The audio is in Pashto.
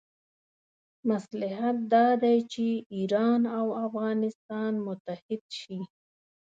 مصلحت دا دی چې ایران او افغانستان متحد شي.